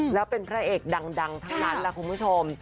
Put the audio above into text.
แล้วเป็นต้นพระเอกดังทั้งนั้น